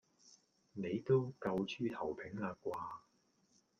你都夠豬頭柄啦啩?